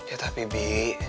ya teh bibi